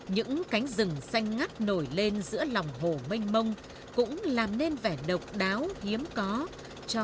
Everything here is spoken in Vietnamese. những cánh sông những đường đường những đường đường những đường đường những đường đường những đường đường những đường đường